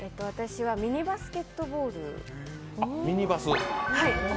ミニバスケットボール。